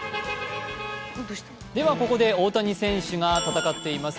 ここで大谷選手が戦っています